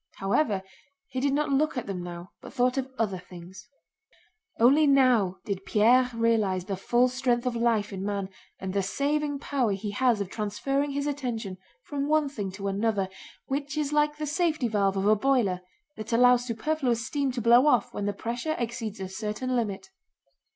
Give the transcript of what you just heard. However, he did not look at them now, but thought of other things. Only now did Pierre realize the full strength of life in man and the saving power he has of transferring his attention from one thing to another, which is like the safety valve of a boiler that allows superfluous steam to blow off when the pressure exceeds a certain limit.